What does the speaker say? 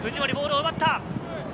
ボールを奪った！